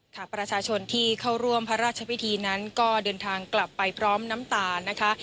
ประชาชนที่เข้าร่วมพระราชพิธีนั้นก็เดินทางกลับไปพร้อมน้ำตานะคะ